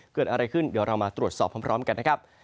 เกิดอะไรขึ้นเดี๋ยวเรามาตรวจสอบพร้อมกันนะครับ